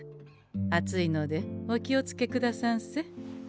熱いのでお気をつけくださんせ。